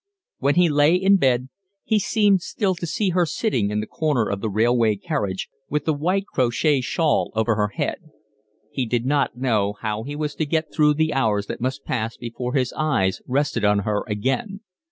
When he lay in bed he seemed still to see her sitting in the corner of the railway carriage, with the white crochet shawl over her head. He did not know how he was to get through the hours that must pass before his eyes rested on her again.